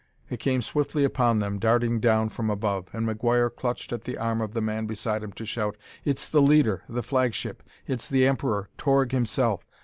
It came swiftly upon them, darting down from above, and McGuire clutched at the arm of the man beside him to shout: "It's the leader; the flagship! It's the Emperor Torg, himself!